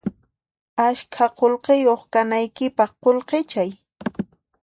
Ashka qullqiyuq kanaykipaq qullqichay